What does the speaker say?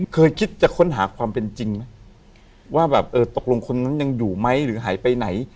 เคยคิดจะค้นหาความเป็นจริงไหมว่าแบบเออตกลงคนนั้นยังอยู่ไหมหรือหายไปไหน